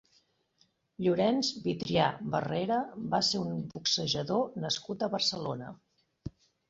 Llorenç Vitrià Barrera va ser un boxejador nascut a Barcelona.